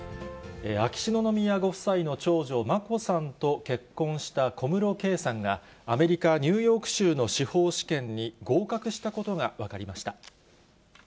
秋篠宮ご夫妻の長女、眞子さんと結婚した小室圭さんが、アメリカ・ニューヨーク州の司法試験に合格したことが分かりました。